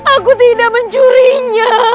aku tidak mencurinya